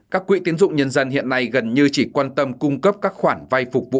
các quỹ tiến dụng nhân dân hiện nay gần như chỉ quan tâm cung cấp các khoản vay phục vụ